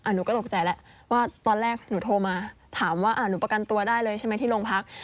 หนูก็ตกใจแล้วว่าตอนแรกหนูโทรมาถามว่าหนูประกันตัวได้เลยใช่ไหมที่โรงพัก